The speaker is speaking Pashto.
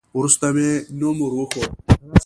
وروسته مې نوم ور وښود.